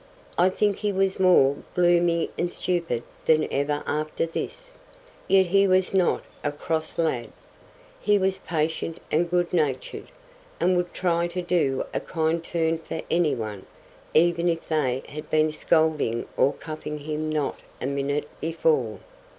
I think he was more gloomy and stupid than ever after this, yet he was not a cross lad; he was patient and good natured, and would try to do a kind turn for any one, even if they had been scolding or cuffing him not a minute before.